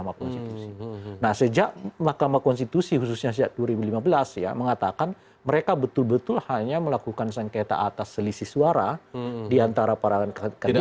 nah sejak mahkamah konstitusi khususnya sejak dua ribu lima belas ya mengatakan mereka betul betul hanya melakukan sengketa atas selisih suara diantara para kandidat